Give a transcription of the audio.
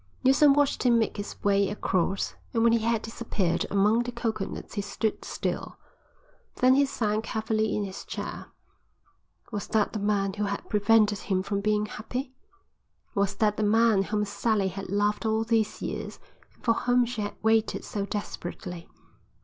Neilson watched him make his way across and when he had disappeared among the coconuts he looked still. Then he sank heavily in his chair. Was that the man who had prevented him from being happy? Was that the man whom Sally had loved all these years and for whom she had waited so desperately?